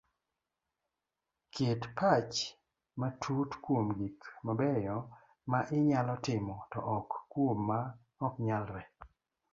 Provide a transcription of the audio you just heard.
Ket pach matut kuom gik mabeyo ma inyalo timo to ok kuom ma oknyalre